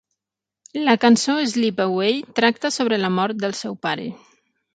La cançó "Slip Away" tracta sobre la mort del seu pare.